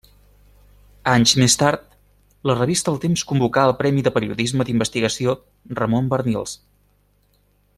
Anys més tard, la revista El Temps convocà el Premi de periodisme d'investigació Ramon Barnils.